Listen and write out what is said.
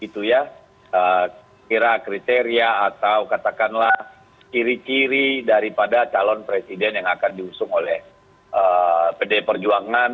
kira kira kriteria atau katakanlah kiri kiri daripada calon presiden yang akan diusung oleh pdi perjuangan